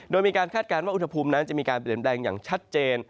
โดยมีการคาดการณ์ว่าอุณหภูมินั้นจะมีการเปลี่ยนแปลงอย่างชัดเจน